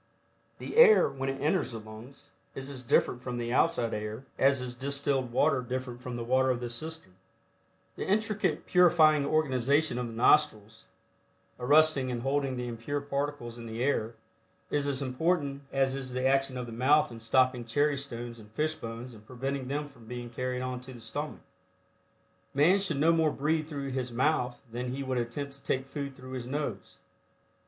The air, when it enters the lungs is as different from the outside air, as is distilled water different from the water of the cistern. The intricate purifying organization of the nostrils, arresting and holding the impure particles in the air, is as important as is the action of the mouth in stopping cherry stones and fish bones and preventing them from being carried on to the stomach. Man should no more breathe through his mouth than he would attempt to take food through his nose.